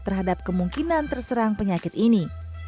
terhadap kemungkinan terserang penyakit ini